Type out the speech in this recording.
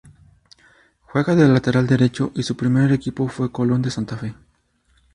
Juega de lateral derecho y su primer equipo fue Colón de Santa Fe.